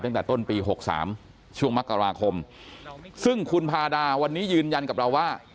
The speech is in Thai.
ตั้งแต่ต้นปี๖๓ช่วงมกราคมซึ่งคุณพาดาวันนี้ยืนยันกับเราว่า